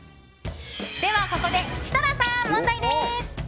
では、ここで設楽さんに問題です。